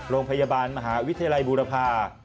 โรงพยาบาลมหาวิทยาลัยบูรพา